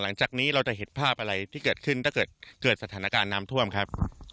หลังจากนี้เราจะเห็นภาพอะไรที่เกิดขึ้นถ้าเกิดเกิดสถานการณ์น้ำท่วมครับ